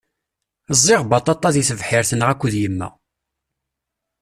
Ẓẓiɣ baṭaṭa di tebḥirt-nneɣ akked yemma.